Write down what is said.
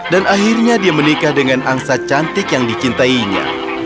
dan akhirnya dia menikah dengan angsa cantik yang dicintainya